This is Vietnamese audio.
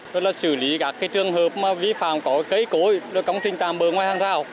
và xử lý các trường hợp vi phạm có cây cối công trình tàm bờ ngoài hàng rào